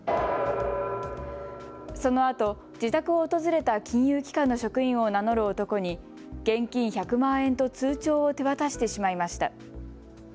そのあと自宅を訪れた金融機関の職員を名乗る男に現金１００万円と通帳を手渡してしまいました。